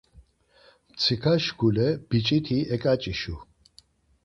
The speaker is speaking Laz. Mtsika-şkule biç̌iti eǩaç̌işu.